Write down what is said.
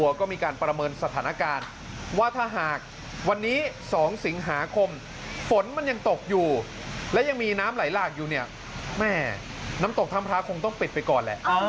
ก็มีการประเมินสถานการณ์ว่าถ้าหากวันนี้๒สิงหาคมฝนมันยังตกอยู่และยังมีน้ำไหลหลากอยู่เนี่ยแม่น้ำตกถ้ำพระคงต้องปิดไปก่อนแหละ